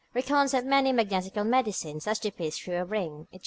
reckons up many magnetical medicines, as to piss through a ring, &c.